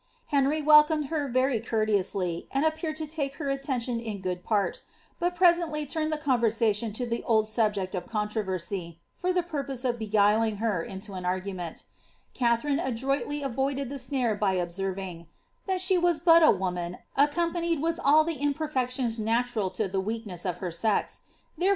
Henry welcomed her very courteously, md appeared to take lier attention in good part, but presently turned the conversation to tlie old subject of controversy, for the purpose of biyuiling her into an argument. Katharine adroitly avoided the snare bj observing, ^^ that she was but a woman, accompanied with all the iaperfections natural to the weakness of her sex ; therefore, in all mat ■I !•■ 1 'Fox. »Fox. Herbert. Speed.